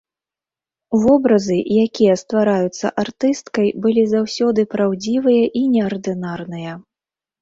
Вобразы, якія ствараюцца артысткай, былі заўсёды праўдзівыя і неардынарныя.